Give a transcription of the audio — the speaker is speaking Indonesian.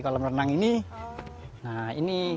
kolam renang ini nah ini